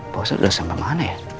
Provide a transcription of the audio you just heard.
pausnya udah sampai mana ya